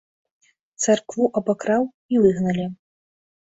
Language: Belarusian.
Царкву абакраў, і выгналі.